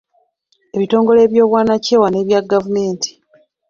Ebitongole by'obwannakyewa n'ebya gavumenti.